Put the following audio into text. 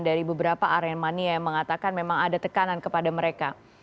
dari beberapa aremania yang mengatakan memang ada tekanan kepada mereka